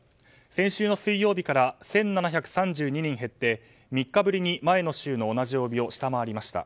先週の水曜日から１７３２人減って３日ぶりに前の週の同じ曜日を下回りました。